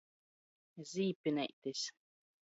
Zīpineitis.